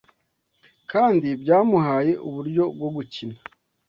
kandi byamuhaye uburyo bwo gukina